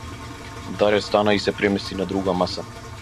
Даре стана и се премести на друга маса.